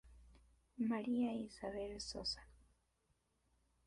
María Isabel Sosa.